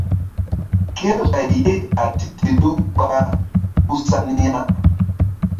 Kerɓay ye a titilu ɓa ku sa ni ya.